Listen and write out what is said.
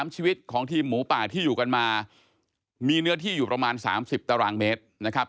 ชีวิตของทีมหมูป่าที่อยู่กันมามีเนื้อที่อยู่ประมาณ๓๐ตารางเมตรนะครับ